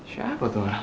siapa tuh orang